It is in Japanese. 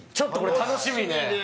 楽しみね。